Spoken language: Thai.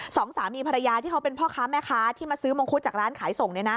สองสามีภรรยาที่เขาเป็นพ่อค้าแม่ค้าที่มาซื้อมงคุดจากร้านขายส่ง